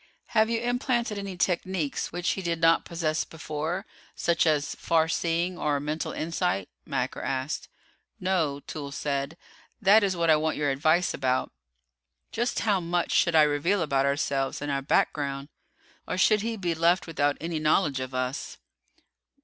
"Have you implanted any techniques which he did not possess before, such as far seeing, or mental insight?" Macker asked. "No," Toolls said. "That is what I want your advice about. Just how much should I reveal about ourselves and our background? Or should he be left without any knowledge of us?"